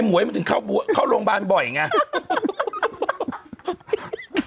โม้ยมันถึงเข้าร้วงบ้านบ่อยอย่างงี้